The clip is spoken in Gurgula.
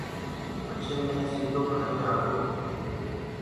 پچهي مي سيٚدو گهري آگو۔